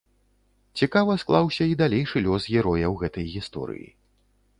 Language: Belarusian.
Цікава склаўся і далейшы лёс герояў гэтай гісторыі.